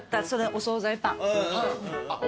お惣菜パン。